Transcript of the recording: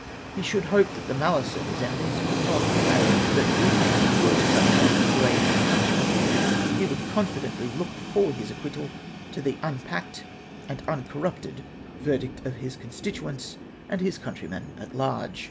He should hope that the malice of his enemies would not prevail ; but even if he were to suffer that degrading punishment, he would confidently look for his acquittal to the unpacked and uncorrupted ver dict of his constituents and his countrvrnen at larcfe.